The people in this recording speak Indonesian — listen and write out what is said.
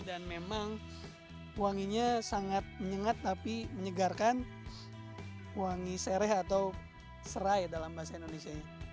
dan memang wanginya sangat menyengat tapi menyegarkan wangi serai dalam bahasa indonesia